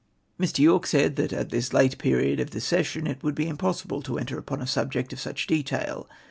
" Mr. YoinvE said that at this late period of the session it would be impossible to enter upon a subject of such detail.